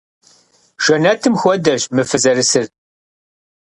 Жэнэтым хуэдэщ мы фызэрысыр.